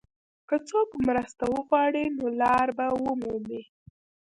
که څوک مرسته وغواړي، نو لار به ومومي.